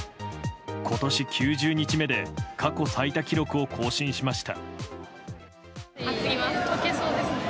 今年９０日目で過去最多記録を更新しました。